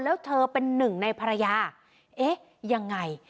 แล้วเธอเป็นหนึ่งในภรรยาเอ๊ะยังไง